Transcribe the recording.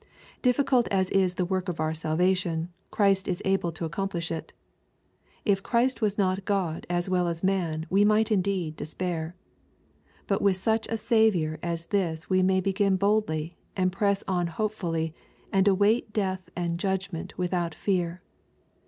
Dif ficult as is the work of our salvation, Christ is able to accomplish it. If Christ was not God as well as man we might indeed despair. But with such a Saviour as this we may begin boldly, and press on hopefully, and await death and judgment without fear.